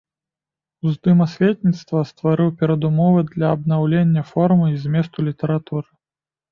Уздым асветніцтва стварыў перадумовы для абнаўлення формы і зместу літаратуры.